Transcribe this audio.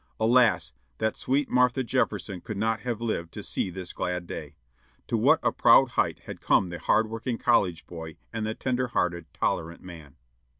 Alas! that sweet Martha Jefferson could not have lived to see this glad day! To what a proud height had come the hard working college boy and the tender hearted, tolerant man!